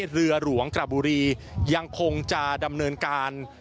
เรือหลวงกระบุรียังคงจะดำเนินการ